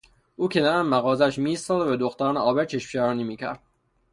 او کنار مغازهاش میایستاد و به دختران عابر چشمچرانی میکرد.